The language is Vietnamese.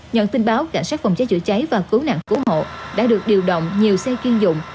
nhận tin báo cảnh sát phòng cháy chữa cháy và cứu nạn cứu hộ đã được điều động nhiều xe chuyên dụng